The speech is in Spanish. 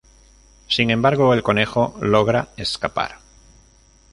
Sin embargo, el conejo logra escapar.